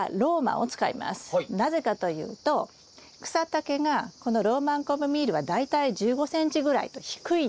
なぜかというと草丈がこのローマンカモミールは大体１５ｃｍぐらいと低いんです。